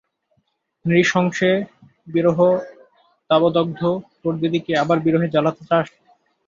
নৃশংসে, বিরহদাবদগ্ধ তোর দিদিকে আবার বিরহে জ্বালাতে চাস?